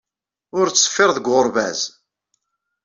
Ur ttṣeffir deg uɣerbaz.